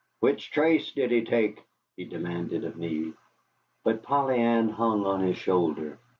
"Which trace did he take?" he demanded of me. But Polly Ann hung on his shoulder.